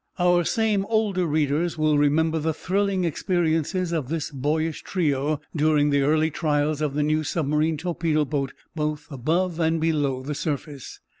Our same older readers will remember the thrilling experiences of this boyish trio during the early trials of the new submarine torpedo boat, both above and below the surface.